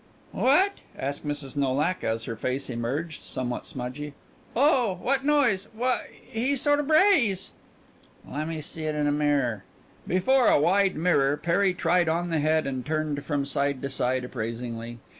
"What?" asked Mrs. Nolak as her face emerged, somewhat smudgy. "Oh, what noise? Why, he sorta brays." "Lemme see it in a mirror." Before a wide mirror Perry tried on the head and turned from side to side appraisingly.